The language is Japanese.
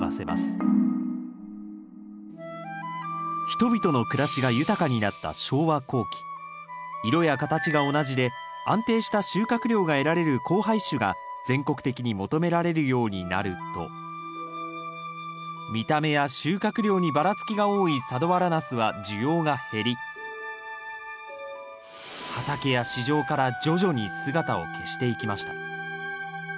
人々の暮らしが豊かになった昭和後期色や形が同じで安定した収穫量が得られる交配種が全国的に求められるようになると見た目や収穫量にバラつきが多い佐土原ナスは需要が減り畑や市場から徐々に姿を消していきました。